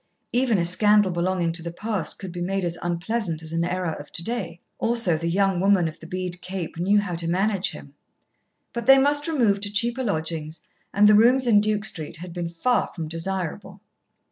Even a scandal belonging to the past could be made as unpleasant as an error of to day. Also the young woman of the bead cape knew how to manage him. But they must remove to cheaper lodgings, and the rooms in Duke Street had been far from desirable.